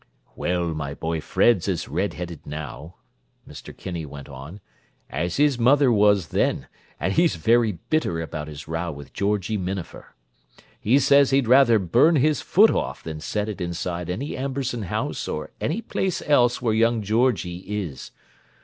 "Well, my boy Fred's as red headed now," Mr. Kinney went on, "as his mother was then, and he's very bitter about his row with Georgie Minafer. He says he'd rather burn his foot off than set it inside any Amberson house or any place else where young Georgie is.